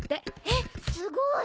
えっすごーい！